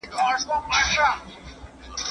د سوداګرۍ امنيت يې مهم باله.